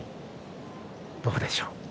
どうでしょう。